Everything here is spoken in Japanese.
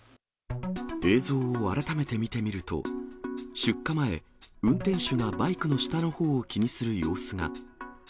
映像を改めて見てみると、出火前、運転手がバイクの下のほうを気にする様子が。